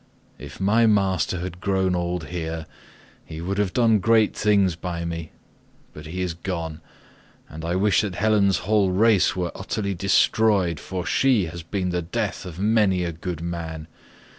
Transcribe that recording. If my master had grown old here he would have done great things by me, but he is gone, and I wish that Helen's whole race were utterly destroyed, for she has been the death of many a good man.